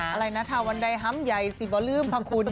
อะไรนะค่ะวันใดหัมใหญ่สิบอลลืมพระคุณ